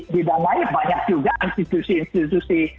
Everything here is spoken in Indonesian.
di dalam lain banyak juga institusi institusi